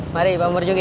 mari pak umar juki